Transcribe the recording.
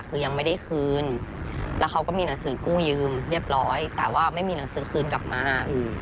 คือยังไม่ได้คืนแล้วเขาก็มีหนังสือกู้ยืมเรียบร้อยแต่ว่าไม่มีหนังสือคืนกลับมา